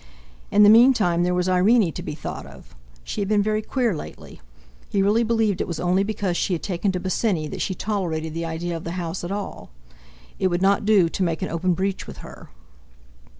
In the meantime there was Irene to be thought of! She had been very queer lately. He really believed it was only because she had taken to Bosinney that she tolerated the idea of the house at all. It would not do to make an open breach with her.